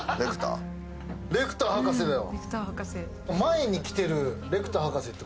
レクター博士だよ。